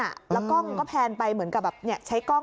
แล้วก็แพนไปเหมือนกับใช้กล้อง